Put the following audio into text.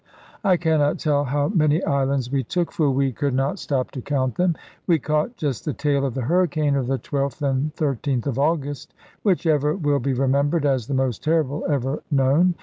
I cannot tell how many islands we took, for we could not stop to count them. We caught just the tail of the hurricane of the 12th and 13th of August, which ever will be remembered as the most terrible ever known.